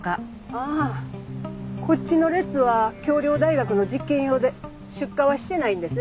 ああこっちの列は京陵大学の実験用で出荷はしてないんです。